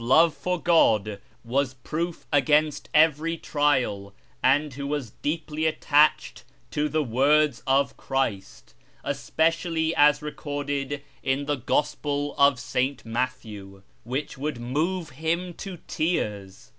love for God was j)roof against every trial, and who was deeply attached to the words of Christ (especially as recorded in the Gospel of St. Matthew), which wovild move him to tears.